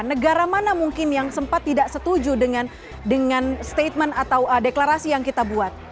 negara mana mungkin yang sempat tidak setuju dengan statement atau deklarasi yang kita buat